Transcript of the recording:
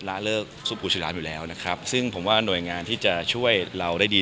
ันทร์แล้วโดดในสถานที่โดดใบนี้